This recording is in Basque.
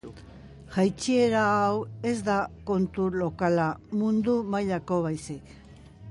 Jaitsiera hau ez da kontu lokala mundu mailako baizik.